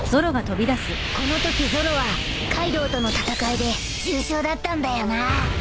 ［このときゾロはカイドウとの戦いで重傷だったんだよな］